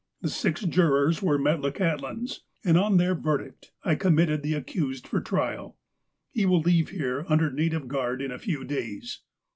The six jurors were Metlakahtlans, and, on their verdict, I committed the accused for trial. He will leave here under native guard in a few days.